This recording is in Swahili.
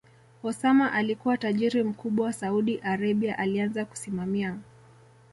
Osama alikua tajiri mkubwa Saudi Arabia alianza kusimamia